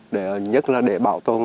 để nhất là để bảo tồn